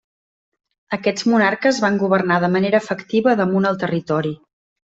Aquests monarques van governar de manera efectiva damunt el territori.